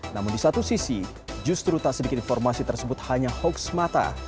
namun di satu sisi justru tak sedikit informasi tersebut hanya hoax mata